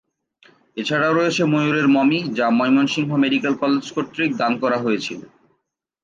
এছাড়াও রয়েছে ময়ূরের মমি যা ময়মনসিংহ মেডিকেল কলেজ কর্তৃক দান করা হয়েছিল।